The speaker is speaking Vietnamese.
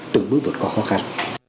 từng bước vượt qua khó khăn